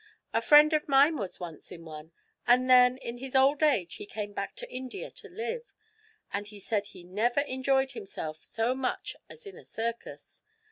A friend of mine was once in one, and then, in his old age, he came back to India to live. And he said he never enjoyed himself so much as in a circus.